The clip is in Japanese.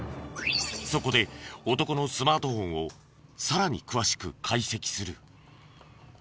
そこで男のスマートフォンをさらに詳しく解析する。